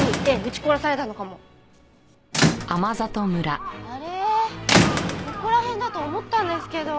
ここら辺だと思ったんですけど。